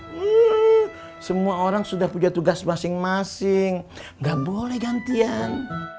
hmm semua orang sudah punya tugas masing masing gak boleh gantian